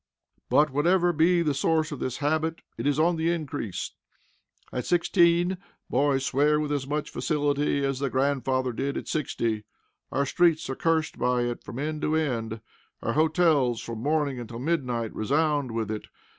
But whatever be the source of this habit, it is on the increase. At sixteen, boys swear with as much facility as the grandfather did at sixty. Our streets are cursed by it from end to end. Our hotels, from morning until midnight, resound with it.